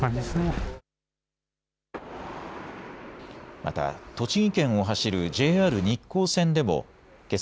また栃木県を走るＪＲ日光線でもけさ